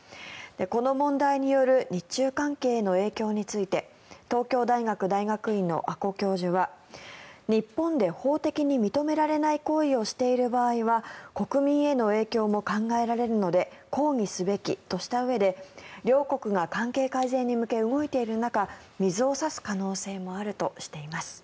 この問題による日中関係への影響について東京大学大学院の阿古教授は日本で法的に認められない行為をしている場合は国民への影響も考えられるので抗議すべきとしたうえで両国が関係改善に向け動いている中で水を差す可能性もあるとしています。